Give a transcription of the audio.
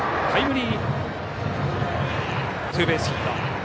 タイムリーツーベースヒット。